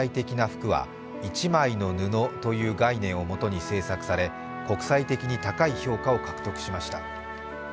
服は一枚の布という概念をもとに制作され、国際的に高い評価を獲得しました。